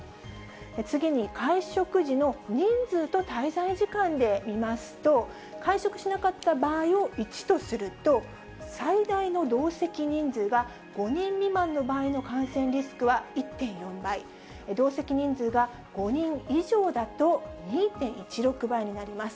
次に、会食時の人数と滞在時間で見ますと、会食しなかった場合を１とすると、最大の同席人数は、５人未満の場合の感染リスクは１．４倍、同席人数が５人以上だと２．１６倍になります。